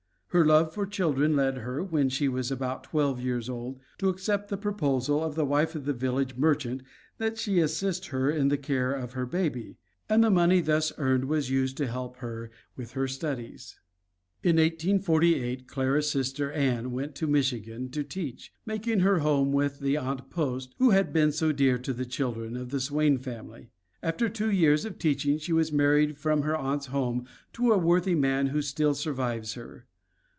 Her love for children led her, when she was about twelve years old, to accept the proposal of the wife of the village merchant that she assist her in the care of her baby, and the money thus earned was used to help her with her studies. In 1848, Clara's sister Ann went to Michigan to teach, making her home with the Aunt Post who had been so dear to the children of the Swain family. After two years of teaching she was married from her aunt's home to a worthy man who still survives her.